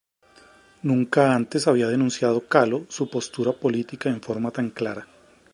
Nunca antes había denunciado Kahlo su postura política en forma tan clara.